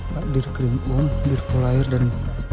pak dirkrimpung dirkolair dan gopal